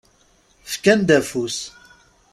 Fkan-d afus.